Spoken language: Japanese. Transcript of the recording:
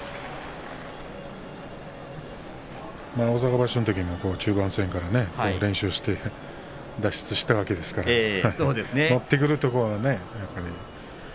大阪場所、中盤戦から連勝して脱出したわけですから乗ってくるとね、やっぱり。